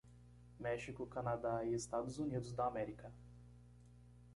México, Canadá e Estados Unidos da América.